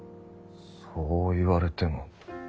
そう言われても。